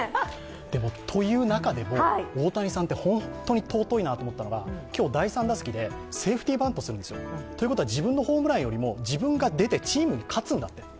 でも、という中でも、大谷さんって本当に尊いと思ったのは今日第３打席でセーフティーバントをするんですよ。ということは自分のホームランよりも、自分が出てチームが勝つんだと。